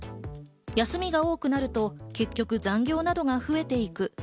休みが多くなると結局、残業などが増えていく。